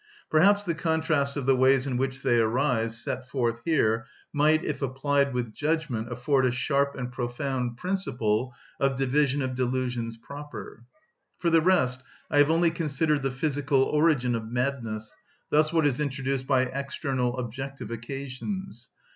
Perhaps the contrast of the ways in which they arise, set forth here, might, if applied with judgment, afford a sharp and profound principle of division of delusions proper. For the rest, I have only considered the physical origin of madness, thus what is introduced by external, objective occasions.